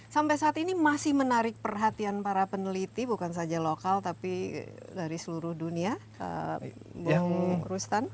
sampai saat ini masih menarik perhatian para peneliti bukan saja lokal tapi dari seluruh dunia bung rustan